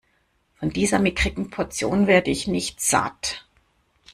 Von dieser mickrigen Portion werde ich nicht satt.